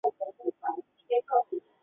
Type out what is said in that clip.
牲川步见在磐田山叶青训出身。